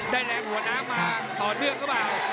ได้แรงหัวน้ำมาต่อเนื้อก็บ้าง